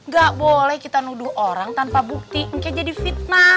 gak boleh kita nuduh orang tanpa bukti mungkin jadi fitnah